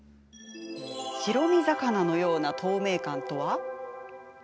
白身魚のような透明感とは？